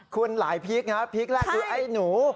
คุณหลายพีคนะพีคแรกคือไอ้หนู